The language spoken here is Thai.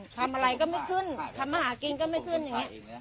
ทำอะไรก็ไม่ขึ้นทำมาหากินก็ไม่ขึ้นอย่างนี้